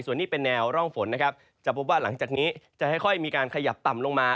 ส่วนนี้เป็นแนวร่องฝนนะครับจะพบว่าหลังจากนี้จะค่อยมีการขยับต่ำลงมา